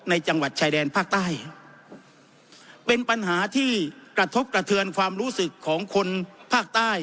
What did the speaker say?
จังหวัดชายแดนภาคใต้เป็นปัญหาที่กระทบกระเทือนความรู้สึกของคนภาคใต้